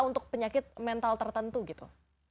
untuk penyakit mental tertentu gitu